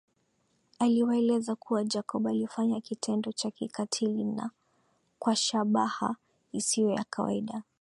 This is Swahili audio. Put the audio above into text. Aliwaeleza kuwa Jacob alifanya kitendo cha kikatili na kwa shabaha isiyo ya kawaida